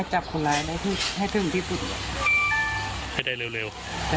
ให้ได้เร็ว